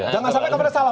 jangan sampai kamu salah